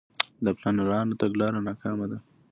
د پلانرانو تګلاره ناکامه ده.